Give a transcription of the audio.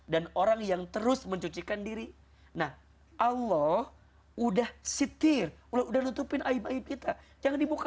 dan orang yang terus mencucikan diri nah allah udah sitir udah nutupin aib aib kita jangan dibuka